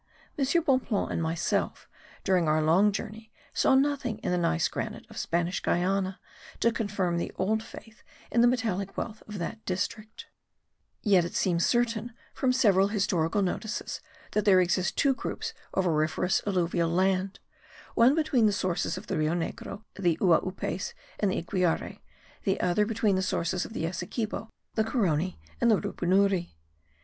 M. Bonpland and myself, during our long journey, saw nothing in the gneiss granite of Spanish Guiana to confirm the old faith in the metallic wealth of that district; yet it seems certain from several historical notices that there exist two groups of auriferous alluvial land; one between the sources of the Rio Negro, the Uaupes and the Iquiare; the other between the sources of the Essequibo, the Caroni and the Rupunuri.